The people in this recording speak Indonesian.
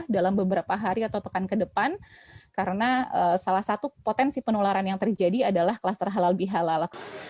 dalam beberapa hari atau pekan ke depan karena salah satu potensi penularan yang terjadi adalah kluster halal bihalal